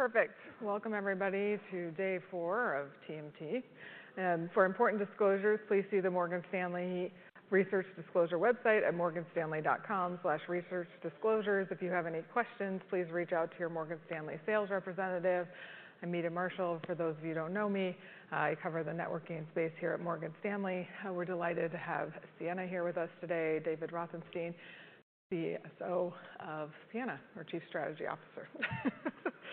Perfect. Welcome everybody to Day 4 of TMT. For important disclosures, please see the Morgan Stanley research disclosure website at morganstanley.com/researchdisclosures. If you have any questions, please reach out to your Morgan Stanley sales representative. I'm Meta Marshall. For those of you who don't know me, I cover the networking space here at Morgan Stanley. We're delighted to have Ciena here with us today. David Rothenstein, CSO of Ciena, our Chief Strategy Officer.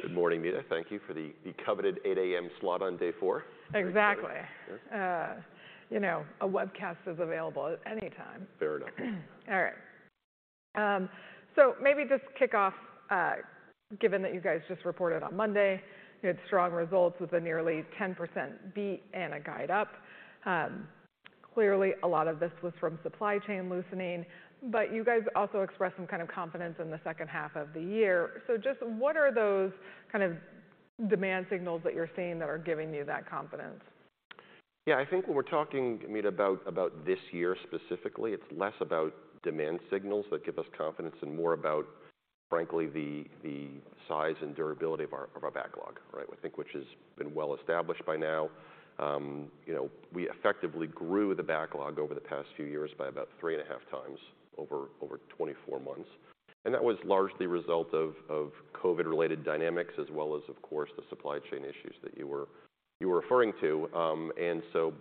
Good morning, Meta. Thank you for the coveted 8:00 A.M. slot on day 4. Exactly. you know, a webcast is available at any time. Fair enough. All right. Maybe just kick off, given that you guys just reported on Monday, you had strong results with a nearly 10% beat and a guide up. Clearly a lot of this was from supply chain loosening, but you guys also expressed some kind of confidence in the second half of the year. Just what are those kind of demand signals that you're seeing that are giving you that confidence? Yeah. I think when we're talking, Meta, about this year specifically, it's less about demand signals that give us confidence and more about, frankly, the size and durability of our backlog, right. I think, which has been well established by now. You know, we effectively grew the backlog over the past few years by about 3.5 times over 24 months, and that was largely a result of COVID-related dynamics as well as, of course, the supply chain issues that you were referring to.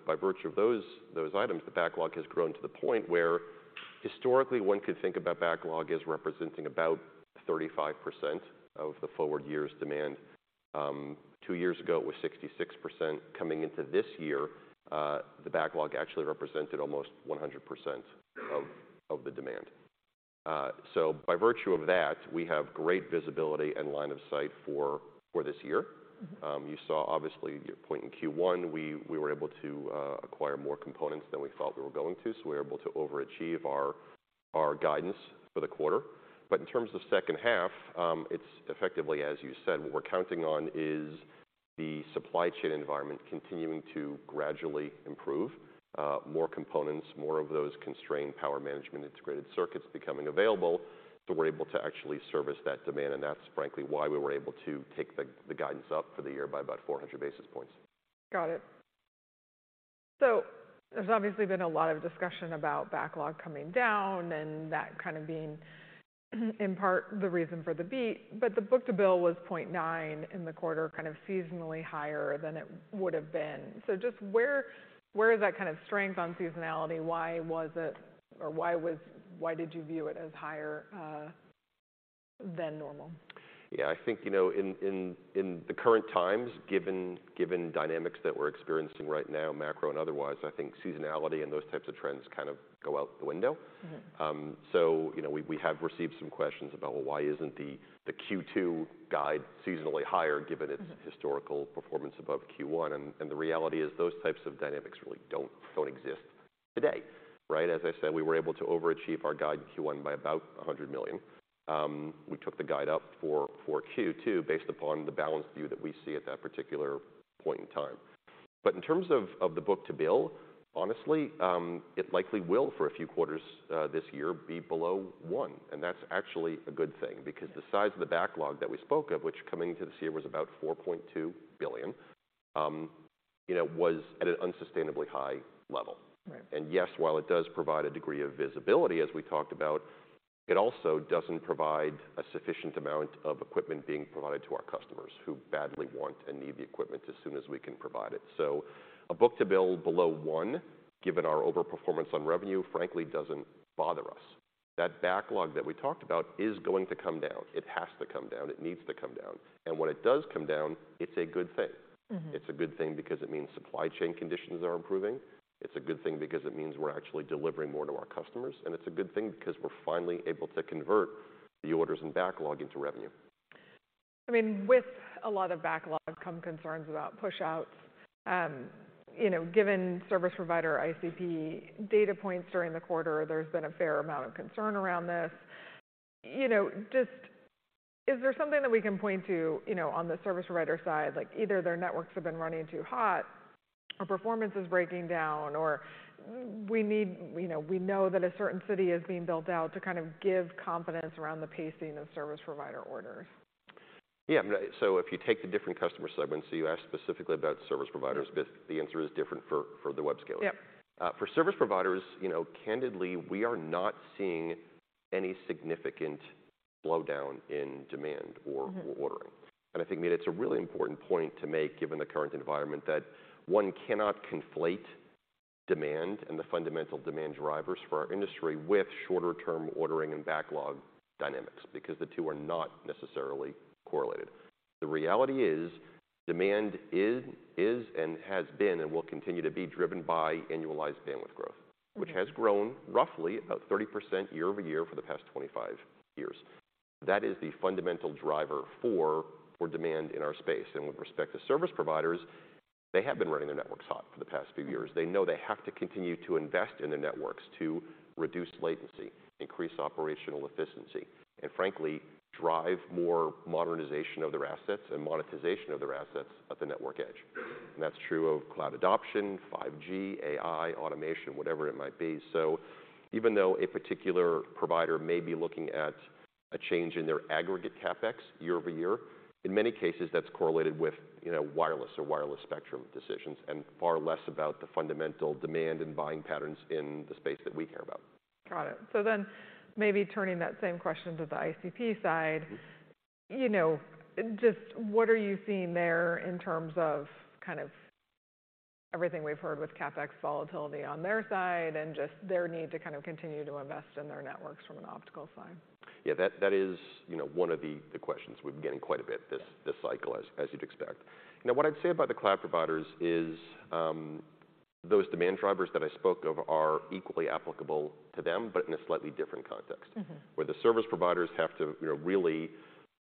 By virtue of those items, the backlog has grown to the point where historically one could think about backlog as representing about 35% of the forward year's demand. Two years ago it was 66%. Coming into this year, the backlog actually represented almost 100% of the demand. By virtue of that, we have great visibility and line of sight for this year. Mm-hmm. You saw obviously your point in Q1, we were able to acquire more components than we thought we were going to, so we were able to overachieve our guidance for the quarter. In terms of second half, it's effectively, as you said, what we're counting on is the supply chain environment continuing to gradually improve, more components, more of those constrained power management integrated circuits becoming available, so we're able to actually service that demand and that's frankly why we were able to take the guidance up for the year by about 400 basis points. Got it. There's obviously been a lot of discussion about backlog coming down and that kind of being in part the reason for the beat, but the book-to-bill was 0.9 in the quarter, kind of seasonally higher than it would've been. Just where is that kind of strength on seasonality? Why was it or why did you view it as higher than normal? Yeah, I think, you know, in the current times, given dynamics that we're experiencing right now, macro and otherwise, I think seasonality and those types of trends kind of go out the window. Mm-hmm. You know, we have received some questions about, well, why isn't the Q2 guide seasonally higher given... Mm-hmm... its historical performance above Q1 and the reality is those types of dynamics really don't exist today, right? As I said, we were able to overachieve our guide in Q1 by about $100 million. We took the guide up for Q2 based upon the balanced view that we see at that particular point in time. In terms of the book-to-bill, honestly, it likely will for a few quarters this year be below one, and that's actually a good thing because the size of the backlog that we spoke of, which coming into this year was about $4.2 billion, you know, was at an unsustainably high level. Right. Yes, while it does provide a degree of visibility, as we talked about, it also doesn't provide a sufficient amount of equipment being provided to our customers who badly want and need the equipment as soon as we can provide it. A book-to-bill below one, given our overperformance on revenue, frankly doesn't bother us. That backlog that we talked about is going to come down. It has to come down. It needs to come down. When it does come down, it's a good thing. Mm-hmm. It's a good thing because it means supply chain conditions are improving. It's a good thing because it means we're actually delivering more to our customers. It's a good thing because we're finally able to convert the orders and backlog into revenue. I mean, with a lot of backlog come concerns about pushouts. You know, given service provider ICP data points during the quarter, there's been a fair amount of concern around this. You know, just is there something that we can point to, you know, on the service provider side, like either their networks have been running too hot or performance is breaking down or we know that a certain city is being built out to kind of give confidence around the pacing of service provider orders? Yeah. If you take the different customer segments, so you asked specifically about service providers... Mm-hmm... but the answer is different for the web scale. Yep. For service providers, you know, candidly, we are not seeing any significant slowdown in demand... Mm-hmm... or ordering. I think, Meta, it's a really important point to make given the current environment that one cannot conflate demand and the fundamental demand drivers for our industry with shorter-term ordering and backlog dynamics because the two are not necessarily correlated. The reality is demand is and has been and will continue to be driven by annualized bandwidth growth. Mm-hmm... which has grown roughly about 30% year-over-year for the past 25 years. That is the fundamental driver for demand in our space. With respect to service providers, they have been running their networks hot for the past few years. They know they have to continue to invest in their networks to reduce latency, increase operational efficiency, and frankly drive more modernization of their assets and monetization of their assets at the network edge. That's true of cloud adoption, 5G, AI, automation, whatever it might be. Even though a particular provider may be looking at a change in their aggregate CapEx year-over-year. In many cases, that's correlated with, you know, wireless or wireless spectrum decisions and far less about the fundamental demand and buying patterns in the space that we care about. Got it. Maybe turning that same question to the ICP side. Mm-hmm. You know, just what are you seeing there in terms of kind of everything we've heard with CapEx volatility on their side and just their need to kind of continue to invest in their networks from an optical side? Yeah, that is, you know, one of the questions we've been getting quite a bit... Yeah... this cycle as you'd expect. What I'd say about the cloud providers is, those demand drivers that I spoke of are equally applicable to them, but in a slightly different context. Mm-hmm. Where the service providers have to, you know, really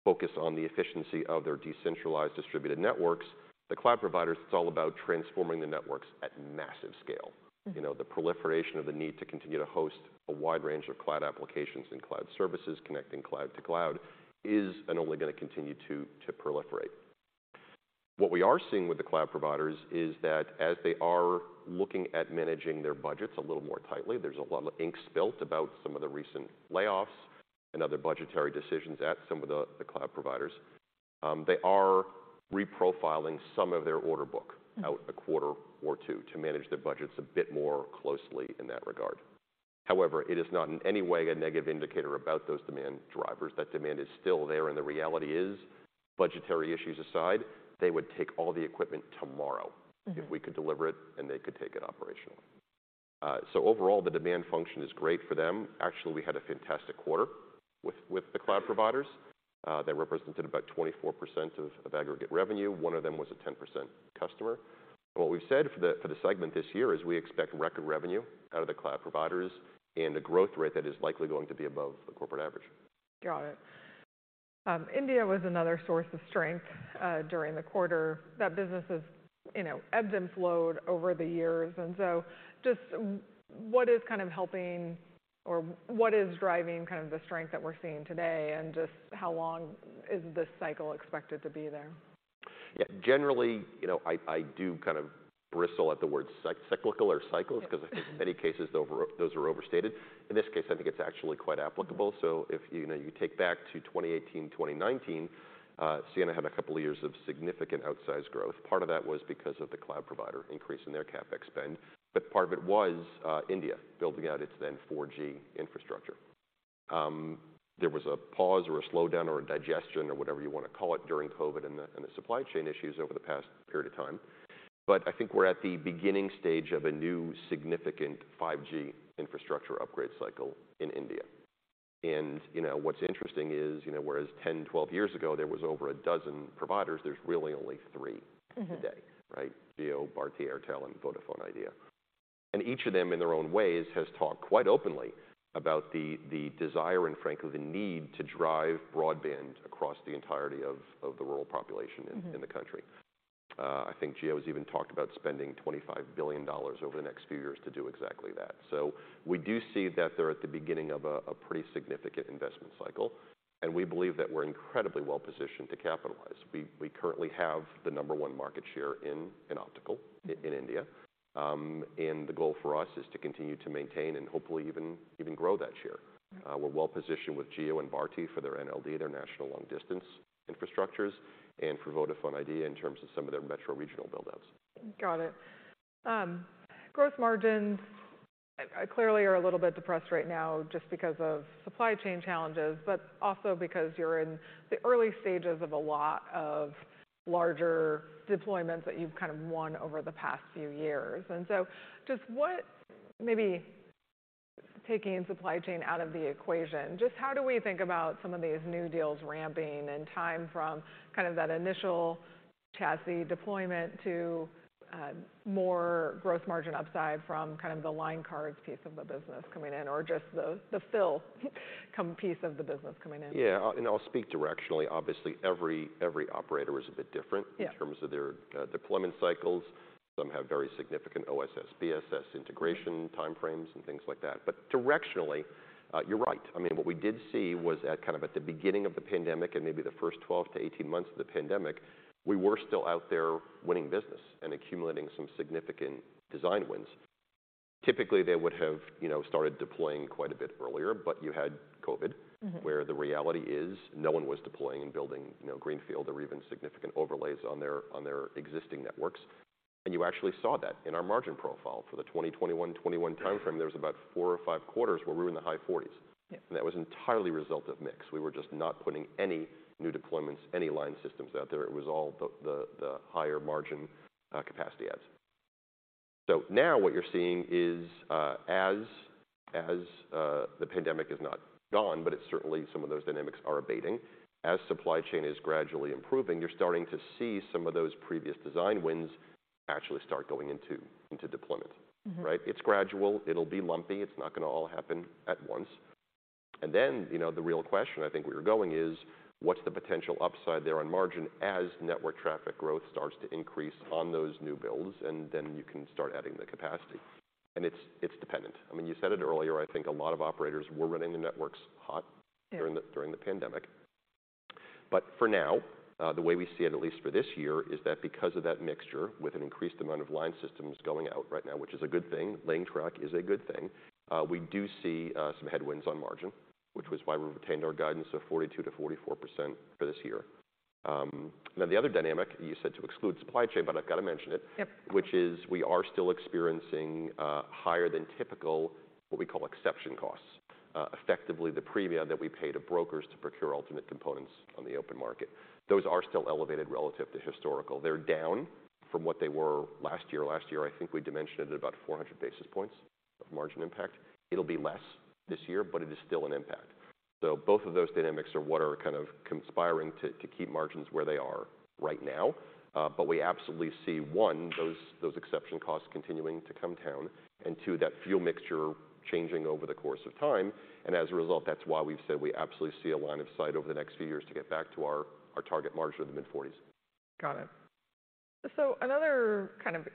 focus on the efficiency of their decentralized distributed networks, the cloud providers, it's all about transforming the networks at massive scale. Mm. You know, the proliferation of the need to continue to host a wide range of cloud applications and cloud services, connecting cloud to cloud, is and only gonna continue to proliferate. What we are seeing with the cloud providers is that as they are looking at managing their budgets a little more tightly, there's a lot of ink spilled about some of the recent layoffs and other budgetary decisions at some of the cloud providers. They are reprofiling some of their order book... Mm ...out a quarter or two to manage their budgets a bit more closely in that regard. However, it is not in any way a negative indicator about those demand drivers. That demand is still there, and the reality is, budgetary issues aside, they would take all the equipment tomorrow... Mm-hmm... if we could deliver it and they could take it operationally. Overall, the demand function is great for them. Actually, we had a fantastic quarter with the cloud providers. They represented about 24% of aggregate revenue. One of them was a 10% customer. What we've said for the segment this year is we expect record revenue out of the cloud providers and a growth rate that is likely going to be above the corporate average. Got it. India was another source of strength during the quarter. That business has, you know, ebbed and flowed over the years. Just what is kind of helping or what is driving kind of the strength that we're seeing today, and just how long is this cycle expected to be there? Yeah. Generally, you know, I do kind of bristle at the word cyclical... Yeah. ...'cause I think in many cases those are overstated. In this case, I think it's actually quite applicable. Mm-hmm. If, you know, you take back to 2018, 2019, Ciena had a couple of years of significant outsized growth. Part of that was because of the cloud provider increase in their CapEx spend, but part of it was, India building out its then 4G infrastructure. There was a pause or a slowdown or a digestion or whatever you wanna call it during COVID and the, and the supply chain issues over the past period of time. I think we're at the beginning stage of a new significant 5G infrastructure upgrade cycle in India. You know, what's interesting is, you know, whereas 10, 12 years ago, there was over a dozen providers, there's really only three-. Mm-hmm... today, right? Jio, Bharti Airtel, and Vodafone Idea. Each of them, in their own ways, has talked quite openly about the desire and frankly, the need to drive broadband across the entirety of the rural population in... Mm-hmm... in the country. I think Jio has even talked about spending $25 billion over the next few years to do exactly that. We do see that they're at the beginning of a pretty significant investment cycle, and we believe that we're incredibly well-positioned to capitalize. We currently have the number one market share in optical in India. The goal for us is to continue to maintain and hopefully even grow that share. Mm. We're well-positioned with Jio and Bharti for their NLD, their National Long Distance infrastructures, and for Vodafone Idea in terms of some of their metro regional build-outs. Got it. Growth margins clearly are a little bit depressed right now just because of supply chain challenges, but also because you're in the early stages of a lot of larger deployments that you've kind of won over the past few years. Just what, maybe taking supply chain out of the equation, just how do we think about some of these new deals ramping and time from kind of that initial chassis deployment to more growth margin upside from kind of the line cards piece of the business coming in or just the piece of the business coming in? Yeah. I'll speak directionally. Obviously, every operator is a bit different. Yeah... in terms of their, deployment cycles. Some have very significant OSS/BSS integration time frames and things like that. Directionally, you're right. I mean, what we did see was at the beginning of the pandemic and maybe the first 12-18 months of the pandemic, we were still out there winning business and accumulating some significant design wins. Typically, they would have, you know, started deploying quite a bit earlier. You had COVID- Mm-hmm... where the reality is no one was deploying and building, you know, greenfield or even significant overlays on their existing networks. You actually saw that in our margin profile. For the 2021 time frame, there was about four or five quarters where we were in the high 40s. Yeah. That was entirely a result of mix. We were just not putting any new deployments, any line systems out there. It was all the higher margin, capacity adds. Now what you're seeing is, as the pandemic is not gone, but it's certainly some of those dynamics are abating. As supply chain is gradually improving, you're starting to see some of those previous design wins actually start going into deployment, right? Mm-hmm. It's gradual. It'll be lumpy. It's not gonna all happen at once. You know, the real question I think we were going is, what's the potential upside there on margin as network traffic growth starts to increase on those new builds? Then you can start adding the capacity. It's dependent. I mean, you said it earlier, I think a lot of operators were running the networks hot. Yeah... during the pandemic. For now, the way we see it, at least for this year, is that because of that mixture with an increased amount of line systems going out right now, which is a good thing, on track is a good thing, we do see some headwinds on margin, which was why we've retained our guidance of 42%-44% for this year. Now the other dynamic you said to exclude supply chain, but I've got to mention it. Yep. Which is we are still experiencing higher than typical, what we call exception costs. Effectively, the premium that we pay to brokers to procure ultimate components on the open market. Those are still elevated relative to historical. They're down from what they were last year. Last year, I think we dimensioned it at about 400 basis points of margin impact. It'll be less this year, but it is still an impact. Both of those dynamics are what are kind of conspiring to keep margins where they are right now. We absolutely see, one, those exception costs continuing to come down, and two, that fuel mixture changing over the course of time. That's why we've said we absolutely see a line of sight over the next few years to get back to our target margin of the mid-40s. Got it. Another kind of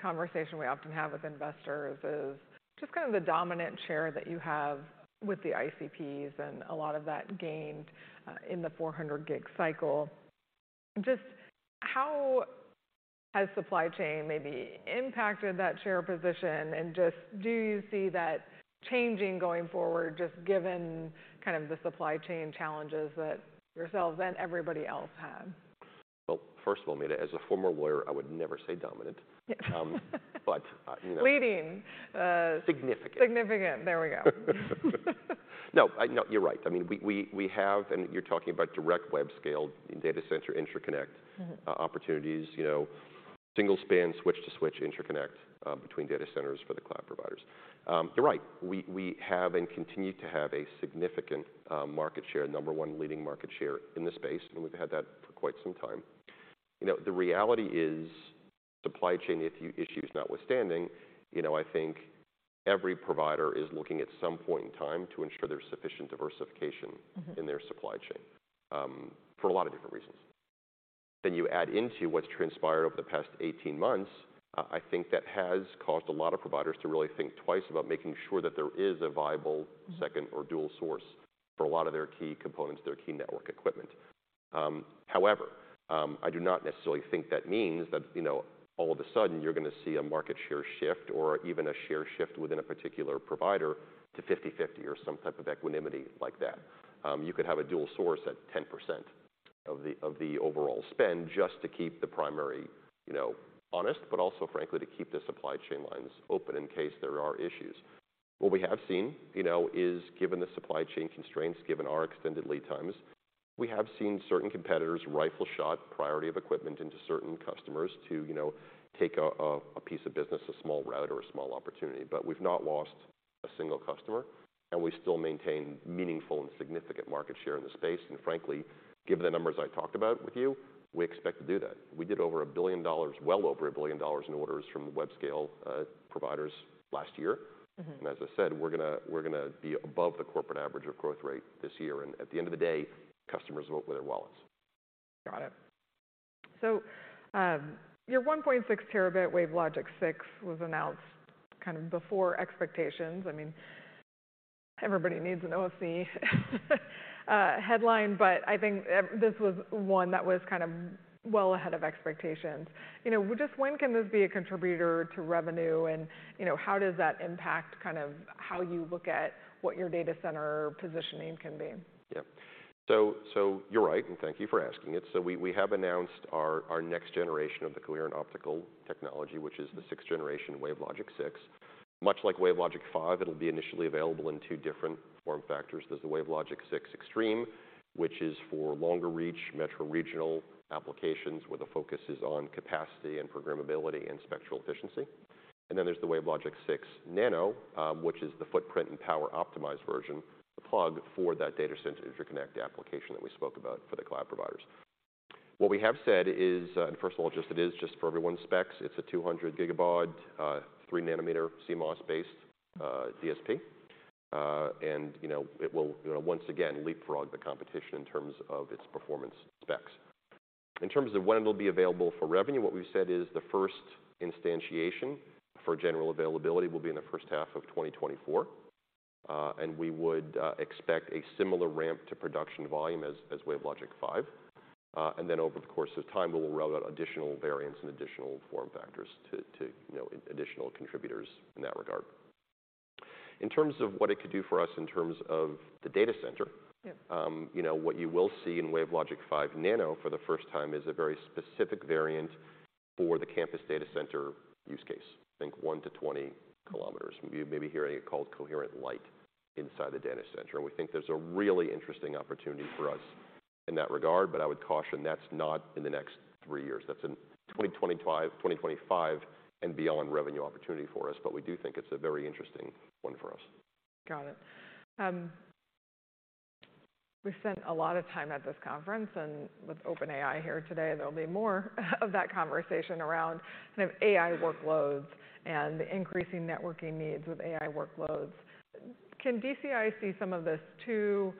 conversation we often have with investors is just kind of the dominant share that you have with the ICPs and a lot of that gained in the 400 gig cycle. Just how has supply chain maybe impacted that share position? Just do you see that changing going forward, just given kind of the supply chain challenges that yourselves and everybody else had? First of all, Meta, as a former lawyer, I would never say dominant. You know. Leading. Significant. Significant. There we go. No, you're right. I mean, we have and you're talking about direct web scale data center interconnect-. Mm-hmm... opportunities, you know, single span switch to switch interconnect, between data centers for the cloud providers. You're right. We have and continue to have a significant, market share, number 1 leading market share in the space, and we've had that for quite some time. You know, the reality is supply chain issue notwithstanding, you know, I think every provider is looking at some point in time to ensure there's sufficient diversification- Mm-hmm... in their supply chain, for a lot of different reasons. You add into what's transpired over the past 18 months, I think that has caused a lot of providers to really think twice about making sure that there is a viable second or dual source for a lot of their key components, their key network equipment. I do not necessarily think that means that, you know, all of a sudden you're going to see a market share shift or even a share shift within a particular provider to 50/50 or some type of equanimity like that. You could have a dual source at 10% of the, of the overall spend just to keep the primary, you know, honest, but also, frankly, to keep the supply chain lines open in case there are issues. What we have seen, you know, is given the supply chain constraints, given our extended lead times, we have seen certain competitors rifle shot priority of equipment into certain customers to, you know, take a piece of business, a small route or a small opportunity. We've not lost a single customer, and we still maintain meaningful and significant market share in the space. Frankly, given the numbers I talked about with you, we expect to do that. We did over $1 billion, well over $1 billion in orders from web scale providers last year. Mm-hmm. As I said, we're gonna be above the corporate average of growth rate this year. At the end of the day, customers vote with their wallets. Got it. Your 1.6 Tb WaveLogic 6 was announced kind of before expectations. I mean, everybody needs an OFC headline, but I think this was one that was kind of well ahead of expectations. You know, just when can this be a contributor to revenue? You know, how does that impact kind of how you look at what your data center positioning can be? You're right, and thank you for asking it. We have announced our next generation of the coherent optical technology, which is the sixth generation WaveLogic 6. Much like WaveLogic 5, it'll be initially available in two different form factors. There's the WaveLogic 6 Extreme, which is for longer reach metro regional applications, where the focus is on capacity and programmability and spectral efficiency. There's the WaveLogic 6 Nano, which is the footprint and power optimized version, the plug for that data center interconnect application that we spoke about for the cloud providers. What we have said is, it is for everyone's specs, it's a 200 GBd, 3 nm CMOS-based DSP. You know, it will, you know, once again leapfrog the competition in terms of its performance specs. In terms of when it'll be available for revenue, what we've said is the first instantiation for general availability will be in the first half of 2024. We would expect a similar ramp to production volume as WaveLogic 5. Then over the course of time, we will roll out additional variants and additional form factors to, you know, additional contributors in that regard. In terms of what it could do for us in terms of the data center. Yeah... you know, what you will see in WaveLogic 5 Nano for the first time is a very specific variant for the campus data center use case. Think 1-20 km. You may be hearing it called Coherent Lite inside the data center. We think there's a really interesting opportunity for us in that regard, I would caution that's not in the next three years. That's in 2025 and beyond revenue opportunity for us, We do think it's a very interesting one for us. Got it. We've spent a lot of time at this conference, and with OpenAI here today, there'll be more of that conversation around kind of AI workloads and the increasing networking needs with AI workloads. Can DCI see some of this too,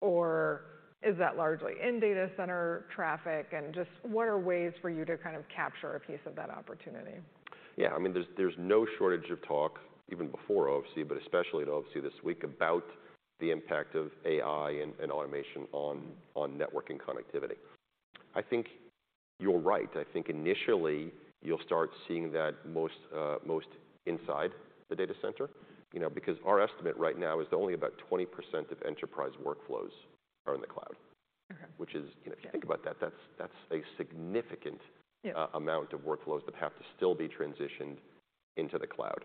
or is that largely in data center traffic? Just what are ways for you to kind of capture a piece of that opportunity? Yeah, I mean, there's no shortage of talk even before OFC, but especially at OFC this week, about the impact of AI and automation on networking connectivity. I think you're right. I think initially you'll start seeing that most inside the data center, you know, because our estimate right now is that only about 20% of enterprise workflows are in the cloud. Okay. Which is, you know, if you think about that's a significant-. Yeah... amount of workflows that have to still be transitioned into the cloud.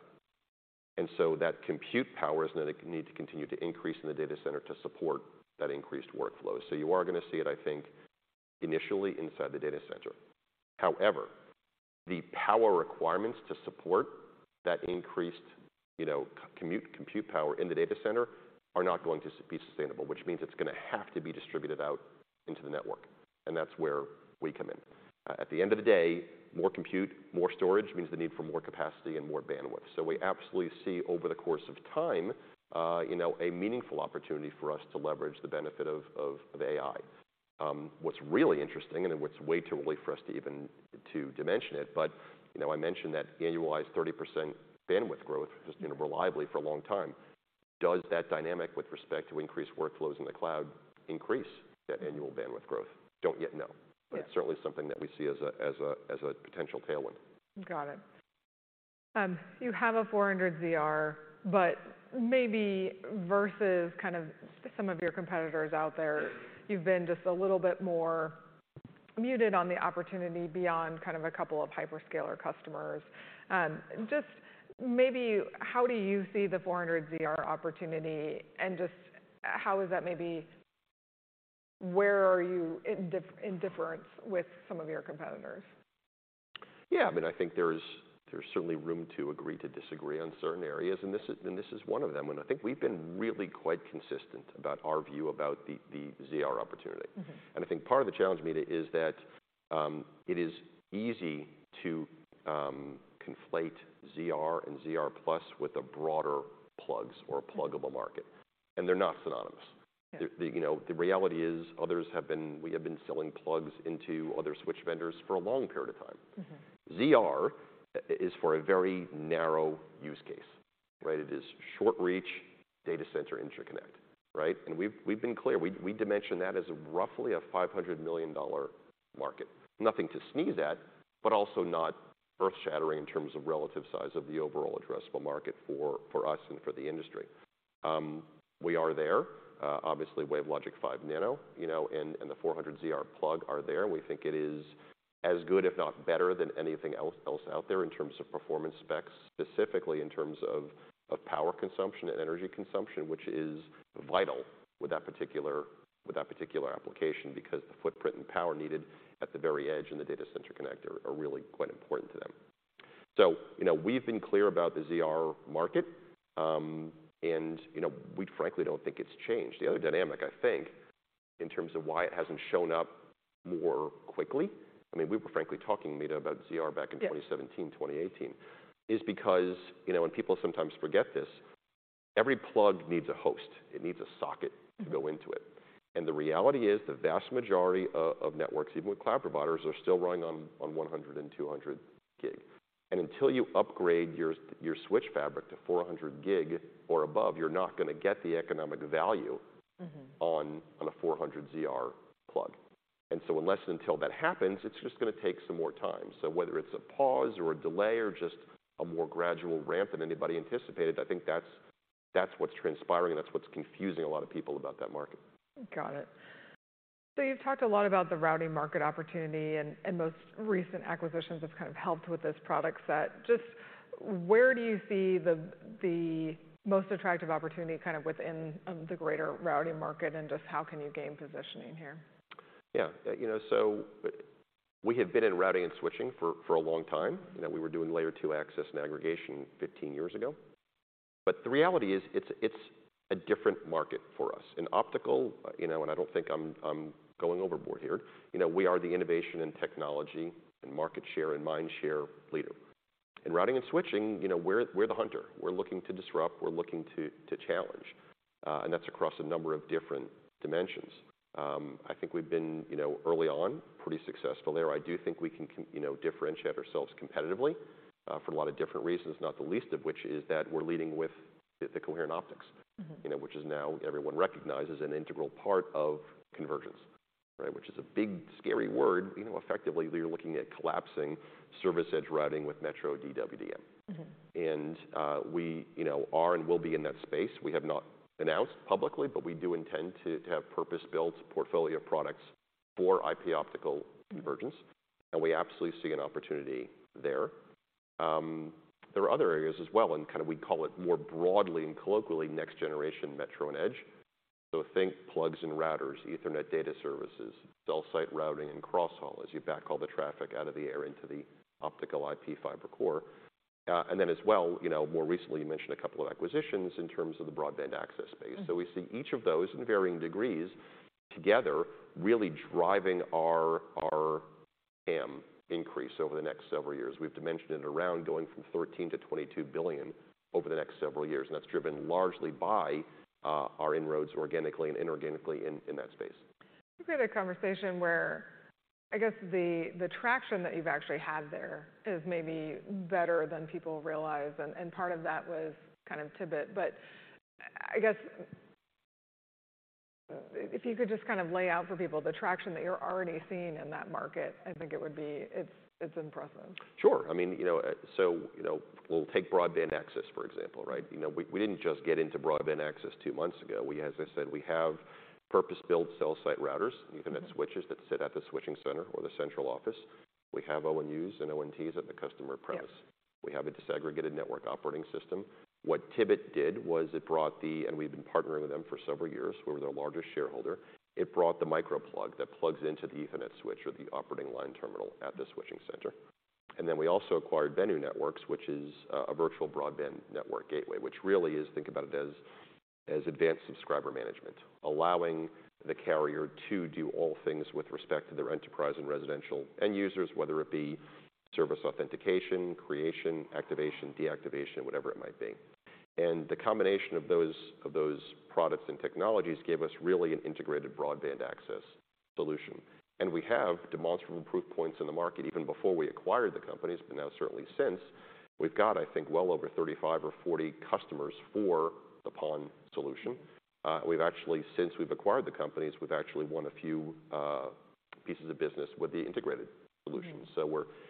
That compute power is gonna need to continue to increase in the data center to support that increased workflow. You are gonna see it, I think, initially inside the data center. However, the power requirements to support that increased, you know, compute power in the data center are not going to be sustainable, which means it's gonna have to be distributed out into the network, and that's where we come in. At the end of the day, more compute, more storage, means the need for more capacity and more bandwidth. We absolutely see over the course of time, you know, a meaningful opportunity for us to leverage the benefit of AI. What's really interesting, and it's way too early for us to dimension it, but you know, I mentioned that annualized 30% bandwidth growth- Mm-hmm ...just, you know, reliably for a long time. Does that dynamic with respect to increased workflows in the cloud increase that annual bandwidth growth? Don't yet know. Yeah. It's certainly something that we see as a potential tailwind. Got it. You have a 400ZR, but maybe versus kind of some of your competitors out there, you've been just a little bit more muted on the opportunity beyond kind of a couple of hyperscaler customers. Just maybe how do you see the 400ZR opportunity, and just how is that maybe where are you in difference with some of your competitors? Yeah, I mean, I think there's certainly room to agree to disagree on certain areas, and this is one of them. I think we've been really quite consistent about our view about the ZR opportunity. Mm-hmm. I think part of the challenge, Meta, is that it is easy to conflate ZR and ZR+ with the broader plugs or pluggable market, and they're not synonymous. Yeah. The, you know, the reality is we have been selling plugs into other switch vendors for a long period of time. Mm-hmm. ZR is for a very narrow use case, right? It is short reach data center interconnect, right? We've been clear. We dimension that as roughly a $500 million market. Nothing to sneeze at, but also not earth-shattering in terms of relative size of the overall addressable market for us and for the industry. We are there. Obviously, WaveLogic 5 Nano, you know, and the 400 ZR plug are there. We think it is as good, if not better than anything else out there in terms of performance specs, specifically in terms of power consumption and energy consumption, which is vital with that particular application because the footprint and power needed at the very edge in the data center interconnect are really quite important to them. You know, we've been clear about the ZR market, you know, we frankly don't think it's changed. The other dynamic, I think, in terms of why it hasn't shown up more quickly, I mean, we were frankly talking, Meta, about ZR back in 2017, 2018, is because, you know, people sometimes forget this, every plug needs a host. It needs a socket to go into it. The reality is, the vast majority of networks, even with cloud providers, are still running on 100 and 200 gig. Until you upgrade your switch fabric to 400 gig or above, you're not gonna get the economic value. Mm-hmm... on a 400 ZR plug. Unless and until that happens, it's just gonna take some more time. Whether it's a pause or a delay or just a more gradual ramp than anybody anticipated, I think that's what's transpiring, and that's what's confusing a lot of people about that market. Got it. You've talked a lot about the routing market opportunity, and most recent acquisitions have kind of helped with this product set. Just where do you see the most attractive opportunity kind of within the greater routing market, and just how can you gain positioning here? Yeah. You know, we have been in routing and switching for a long time. You know, we were doing layer 2 access and aggregation 15 years ago. The reality is it's a different market for us. In optical, you know, I don't think I'm going overboard here, you know, we are the innovation in technology and market share and mind share leader. In routing and switching, you know, we're the hunter. We're looking to disrupt, we're looking to challenge, and that's across a number of different dimensions. I think we've been, you know, early on, pretty successful there. I do think we can, you know, differentiate ourselves competitively for a lot of different reasons, not the least of which is that we're leading with the coherent optics. Mm-hmm. You know, which is now everyone recognizes an integral part of convergence, right? Which is a big, scary word. You know, effectively, you're looking at collapsing service edge routing with metro DWDM. Mm-hmm. We, you know, are and will be in that space. We have not announced publicly, but we do intend to have purpose-built portfolio products for IP/Optical convergence, and we absolutely see an opportunity there. There are other areas as well, and kind of we call it more broadly and colloquially, next generation metro and edge. So think plugs and routers, Ethernet data services, cell site routing and cross-haul, as you backhaul the traffic out of the air into the optical IP fiber core. As well, you know, more recently, you mentioned a couple of acquisitions in terms of the broadband access space. Mm-hmm. We see each of those in varying degrees together really driving our TAM increase over the next several years. We've dimensioned it around going from $14 billion-$22 billion over the next several years, and that's driven largely by our inroads organically and inorganically in that space. You've had a conversation where I guess the traction that you've actually had there is maybe better than people realize, and part of that was kind of Tibit. I guess if you could just kind of lay out for people the traction that you're already seeing in that market, I think It's impressive. Sure. I mean, you know, we'll take broadband access, for example, right? You know, we didn't just get into broadband access two months ago. As I said, we have purpose-built cell site routers, ethernet switches that sit at the switching center or the central office. We have ONUs and ONTs at the customer premise. Yeah. We have a disaggregated network operating system. We've been partnering with them for several years. We were their largest shareholder. It brought the MicroPlug that plugs into the ethernet switch or the optical line terminal at the switching center. We also acquired Benu Networks, which is a virtual Broadband Network Gateway, which really is, think about it as advanced subscriber management, allowing the carrier to do all things with respect to their enterprise and residential end users, whether it be service authentication, creation, activation, deactivation, whatever it might be. The combination of those products and technologies gave us really an integrated broadband access solution. We have demonstrable proof points in the market, even before we acquired the companies, but now certainly since. We've got, I think, well over 35 or 40 customers for the PON solution. We've actually, since we've acquired the companies, we've actually won a few, pieces of business with the integrated solutions. Mm-hmm.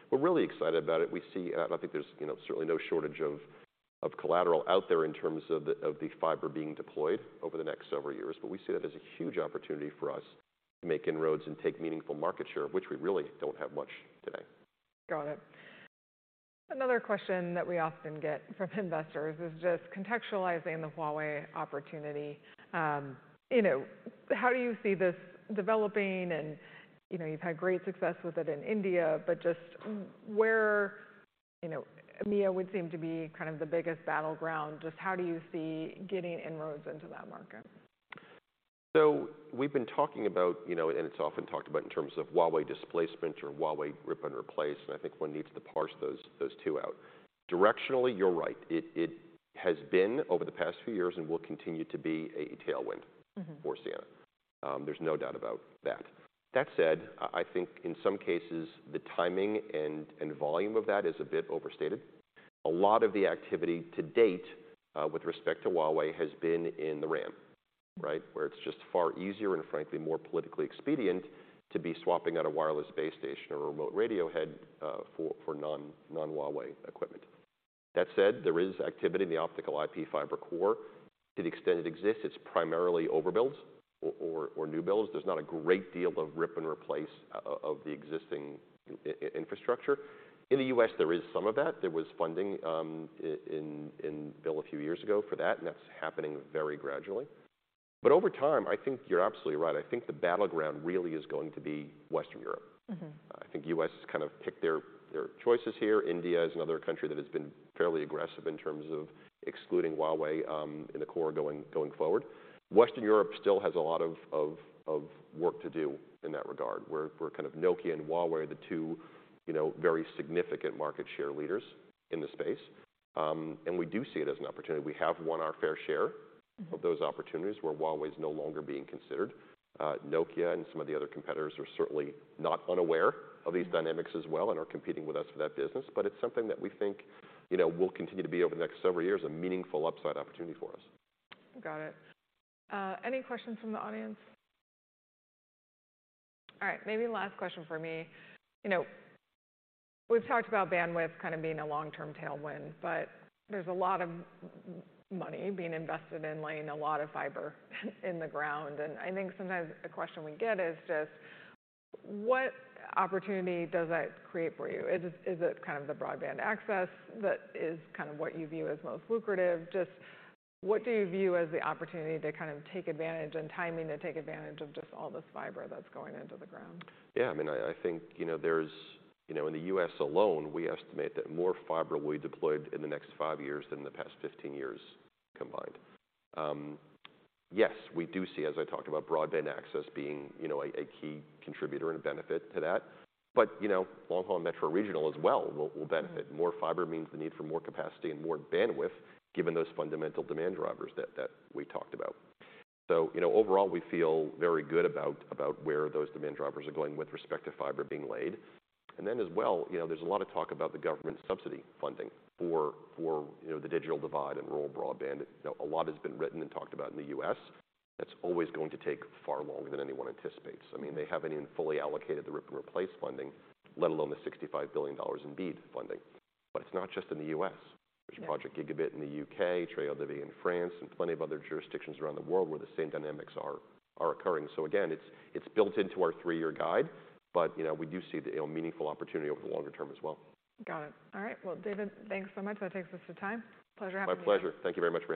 We're really excited about it. We see, I think there's, you know, certainly no shortage of collateral out there in terms of the fiber being deployed over the next several years. We see that as a huge opportunity for us to make inroads and take meaningful market share, which we really don't have much today. Got it. Another question that we often get from investors is just contextualizing the Huawei opportunity. you know, how do you see this developing and, you know, you've had great success with it in India. You know, EMEA would seem to be kind of the biggest battleground. Just how do you see getting inroads into that market? We've been talking about, you know, and it's often talked about in terms of Huawei displacement or Huawei rip and replace, and I think one needs to parse those two out. Directionally, you're right. It has been over the past few years and will continue to be a tailwind... Mm-hmm ...for Ciena. There's no doubt about that. That said, I think in some cases, the timing and volume of that is a bit overstated. A lot of the activity to date with respect to Huawei has been in the RAN, right? Where it's just far easier and frankly, more politically expedient to be swapping out a wireless base station or a remote radio head for non-Huawei equipment. That said, there is activity in the optical IP fiber core. To the extent it exists, it's primarily overbuilds or new builds. There's not a great deal of rip-and-replace of the existing infrastructure. In the U.S., there is some of that. There was funding in bill a few years ago for that, and that's happening very gradually. Over time, I think you're absolutely right. I think the battleground really is going to be Western Europe. Mm-hmm. I think U.S. has kind of picked their choices here. India is another country that has been fairly aggressive in terms of excluding Huawei in the core going forward. Western Europe still has a lot of work to do in that regard, where kind of Nokia and Huawei are the two, you know, very significant market share leaders in the space. We do see it as an opportunity. We have won our fair share- Mm-hmm ...of those opportunities where Huawei is no longer being considered. Nokia and some of the other competitors are certainly not unaware of these dynamics as well and are competing with us for that business. It's something that we think, you know, will continue to be over the next several years, a meaningful upside opportunity for us. Got it. Any questions from the audience? All right, maybe last question for me. You know, we've talked about bandwidth kind of being a long-term tailwind, but there's a lot of money being invested in laying a lot of fiber in the ground. I think sometimes the question we get is just what opportunity does that create for you? Is it, is it kind of the broadband access that is kind of what you view as most lucrative? Just what do you view as the opportunity to kind of take advantage and timing to take advantage of just all this fiber that's going into the ground? Yeah, I mean, I think, you know, in the U.S. alone, we estimate that more fiber will be deployed in the next five years than the past 15 years combined. Yes, we do see, as I talked about, broadband access being, you know, a key contributor and a benefit to that. You know, long haul metro regional as well will benefit. Mm-hmm. More fiber means the need for more capacity and more bandwidth, given those fundamental demand drivers that we talked about. You know, overall, we feel very good about where those demand drivers are going with respect to fiber being laid. As well, you know, there's a lot of talk about the government subsidy funding for, you know, the digital divide and rural broadband. You know, a lot has been written and talked about in the U.S. That's always going to take far longer than anyone anticipates. I mean, they haven't even fully allocated the rip-and-replace funding, let alone the $65 billion in BEAD funding. It's not just in the U.S. Yeah. There's Project Gigabit in the U.K., France Très Haut Débit in France, plenty of other jurisdictions around the world where the same dynamics are occurring. Again, it's built into our three-year guide, but you know, we do see the, you know, meaningful opportunity over the longer term as well. Got it. All right. Well, David, thanks so much. That takes us to time. Pleasure having you. My pleasure. Thank you very much for having me.